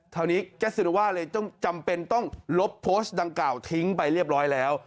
คราวนี้แก๊สซิโนว่าเลยต้องจำเป็นต้องลบโพสต์ดังกล่าวทิ้งไปเรียบร้อยแล้ว